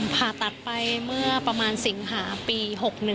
ผ่าตัดไปเมื่อประมาณสิงหาปี๖๑